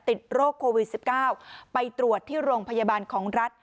ติดโรคโควิด๑๙ไปตรวจที่โรงพยาบาลของรัฐ